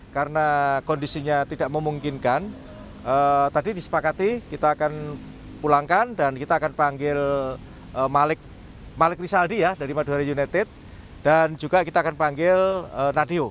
karena kondisinya tidak memungkinkan tadi disepakati kita akan pulangkan dan kita akan panggil malik risaldi dari madura united dan juga kita akan panggil nadio